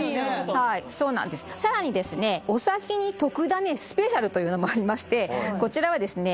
はいそうなんですさらにですねお先にトクだ値スペシャルというのもありましてこちらはですね